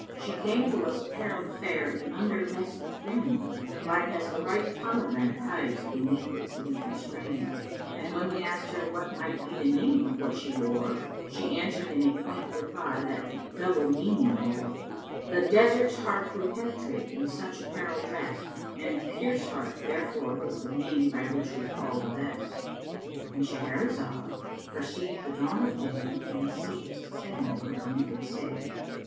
She came to us apparelled fair in under vest of green, Like as the ripe pomegranate hides beneath its leafy screen; And when we asked her what might be the name of what she wore, She answered in a quaint reply that double meaning bore: The desert's heart we penetrate in such apparel dressed, And Pierce heart therefore is the name by which we call the vest." —And Shahrazad perceived the dawn of day and ceased saying her permitted say.